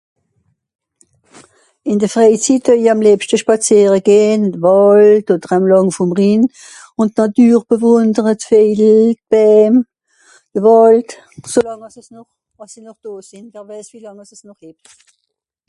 ìn de Freizit deuwie àm lebschte spàziere gehn ìn de Wàld oder àm lang vòm Rhinn ùn d'Nàture bewùndere d'Vejili d'Bäm de Wàld solàng àss esch nòr àssi nòr dò sìn wer weiss wie làng àss'es nòr hebt